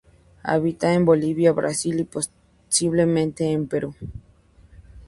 Habita en Bolivia, Brasil y posiblemente en Perú.